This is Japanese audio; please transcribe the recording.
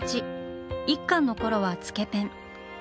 １巻のころはつけペン。